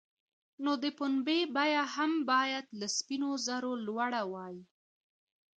نو د پنبې بیه هم باید له سپینو زرو لوړه وای.